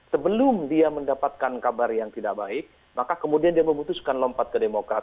sebelum dia mendapatkan kabar yang tidak baik maka kemudian dia memutuskan lompat ke demokrat